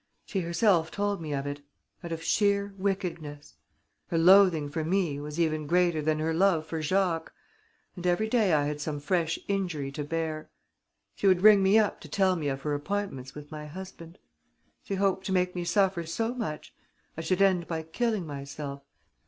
She herself told me of it ... out of sheer wickedness ... Her loathing for me was even greater than her love for Jacques ... and every day I had some fresh injury to bear ... She would ring me up to tell me of her appointments with my husband ... she hoped to make me suffer so much I should end by killing myself....